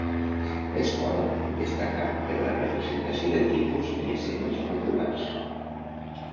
L'escola destacà per la representació de tipus i escenes populars.